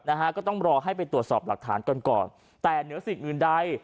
นะฮะก็ต้องรอให้ไปตรวจสอบหลักฐานกันก่อนแต่เหนือสิ่งอื่นใด